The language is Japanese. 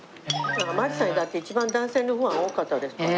まりさんだって一番男性のファン多かったですから。